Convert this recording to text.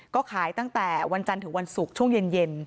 ก็ขายตั้งแต่วันจันทร์ถึงวันศุกร์ช่วงเย็น